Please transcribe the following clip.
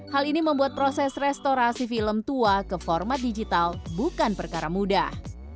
hal ini membuat proses restorasi film tua ke format digital bukan perkara mudah